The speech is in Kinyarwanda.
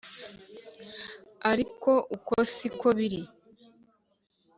Ariko uko si ko biri